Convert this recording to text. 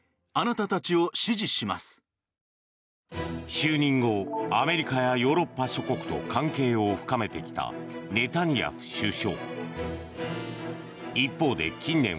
就任後アメリカやヨーロッパ諸国と関係を深めてきたネタニヤフ首相。